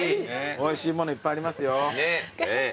おいしいものいっぱいありますよ。